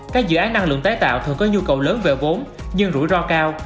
các dự án năng lượng tái tạo thường có nhu cầu lớn về vốn nhưng rủi ro cao